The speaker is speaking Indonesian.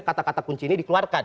kata kata kunci ini dikeluarkan